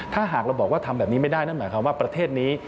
ถ้าหากเราบอกว่าทำแบบนี้ไม่ได้นั่นหมายความว่าประเทศนี้